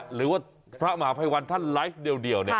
หรือว่าพระมหาภัยวันท่านไลฟ์เดียว